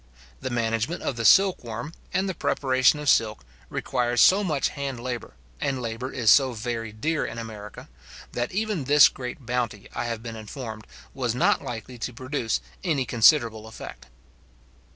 The management of the silk worm, and the preparation of silk, requires so much hand labour, and labour is so very dear in America, that even this great bounty, I have been informed, was not likely to produce any considerable effect.